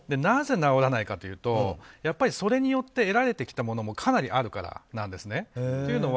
なぜかというとそれによって得られてきたものもかなりあるからなんですね。